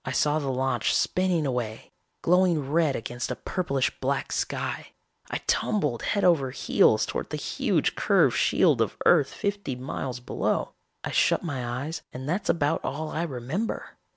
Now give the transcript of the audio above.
"I saw the launch spinning away, glowing red against a purplish black sky. I tumbled head over heels towards the huge curved shield of earth fifty miles below. I shut my eyes and that's about all I remember.